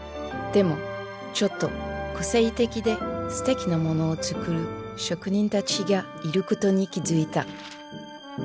でもちょっと個性的ですてきなモノを作る職人たちがいることに気付いた。